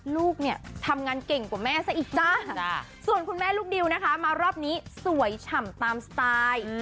ลูกเนี่ยทำงานเก่งกว่าแม่ซะอีกจ้าส่วนคุณแม่ลูกดิวนะคะมารอบนี้สวยฉ่ำตามสไตล์